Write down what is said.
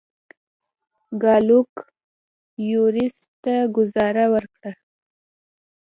ګارلوک بوریس ته ګوزاره ورکړه.